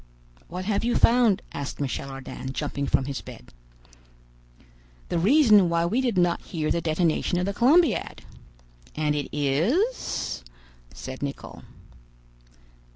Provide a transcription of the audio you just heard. "What have you found?" asked Michel Ardan, jumping from his bed. "The reason why we did not hear the detonation of the Columbiad." "And it is—?" said Nicholl.